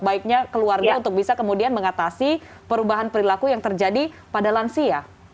baiknya keluarga untuk bisa kemudian mengatasi perubahan perilaku yang terjadi pada lansia